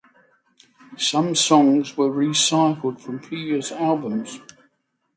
Some songs were recycled from previous albums.